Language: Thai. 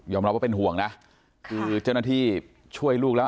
รับว่าเป็นห่วงนะคือเจ้าหน้าที่ช่วยลูกแล้ว